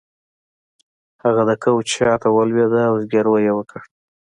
هغه د کوچ شاته ولویده او زګیروی یې وکړ